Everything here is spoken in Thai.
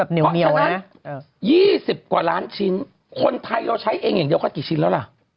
๒ล้านต่อที่ยี่สิบกว่าล้านชิ้นคนไทยเราใช้เองอย่างเดี่ยวก็กี่ชิ้นแล้วหรอ